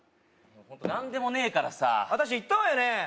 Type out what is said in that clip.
ホント何でもねえからさ私言ったわよね？